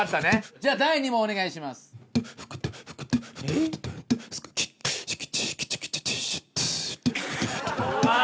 じゃあ第２問お願いします。うわ！